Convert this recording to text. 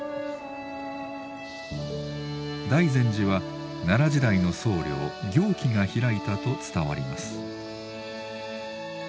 大善寺は奈良時代の僧侶行基が開いたと伝わります。